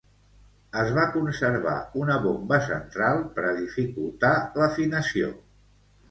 Es va conservar una bomba central per a dificultar l'afinació.